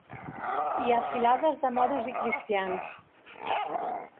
Hi ha filades de moros i cristians.